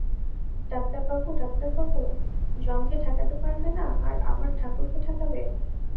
ডাক্তারবাবু– ডাক্তারবাবু যমকে ঠেকাতে পারবে না আর আমার ঠাকুরকে ঠেকাবে?